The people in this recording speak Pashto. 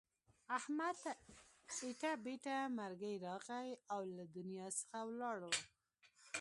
احمد ته ایټه بیټه مرگی راغی او له دنیا څخه ولاړو.